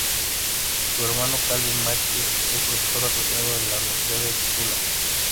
Su hermano, Calvin Mackie, es profesor asociado en la Universidad de Tulane.